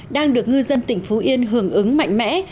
đang được ngư dân tỉnh phú yên hưởng ứng mạnh mẽ